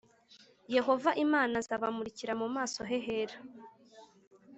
Yehova Imana azabamurikira mu maso he hera